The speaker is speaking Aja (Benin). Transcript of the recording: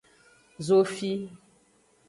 Zofi.